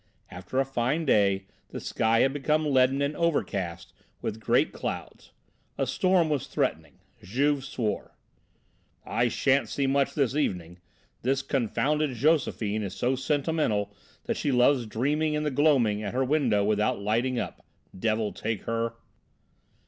After a fine day the sky had become leaden and overcast with great clouds: a storm was threatening. Juve swore. "I shan't see much this evening; this confounded Josephine is so sentimental that she loves dreaming in the gloaming at her window without lighting up. Devil take her!"